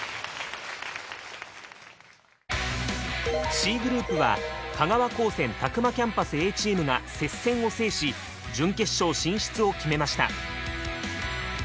Ｃグループは香川高専詫間キャンパスＡチームが接戦を制し準決勝進出を決めました。